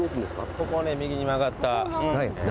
ここをね右に曲がった。